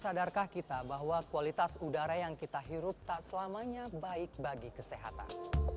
sadarkah kita bahwa kualitas udara yang kita hirup tak selamanya baik bagi kesehatan